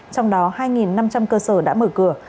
trong đó hai năm trăm linh cơ sở đã mở cửa